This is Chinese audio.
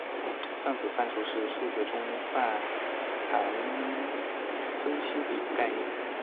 算子范数是数学中泛函分析里的概念。